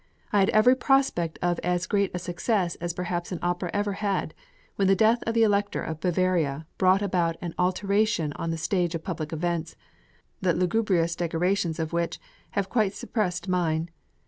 I had every prospect of as great a success as perhaps an opera ever had, when the death of the Elector of Bavaria brought about an alteration on the stage of public events, the lugubrious decorations of which have quite suppressed mine."